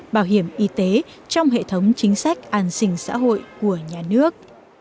bảo hiểm y tế trong hệ thống chính sách an sinh xã hội của nhà nước